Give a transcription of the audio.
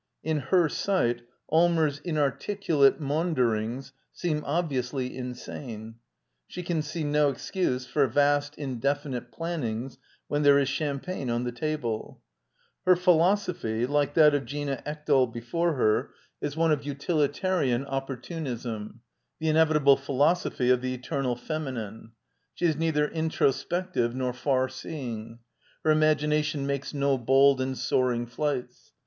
In her sight Allmers' inarticulate maunderings seem obviously insane: she can see no excuse for vast, indefinite plannings when there is champagne on the table. Her philos ophy, like that of Glna Ekdal before her, is one of _ xiv d by Google «i INTRODUCTION nti'ltfarian nppnrfij^fy^yn .— the inevitable philosophy oFthe eternal feminine. She is neither introspective nor far seeing. Her imagination makes no bold and soaring flights.